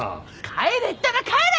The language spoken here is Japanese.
帰れったら帰れ！